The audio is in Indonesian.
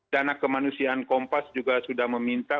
dana kemanusiaan kompas juga sudah meminta